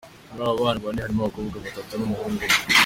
Muri abo bana bane, harimo abakobwa batatu n’umuhungu umwe.